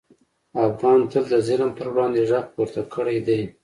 افغان تل د ظلم پر وړاندې غږ پورته کړی دی.